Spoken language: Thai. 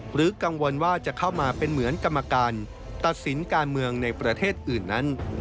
กังวลว่าจะเข้ามาเป็นเหมือนกรรมการตัดสินการเมืองในประเทศอื่นนั้น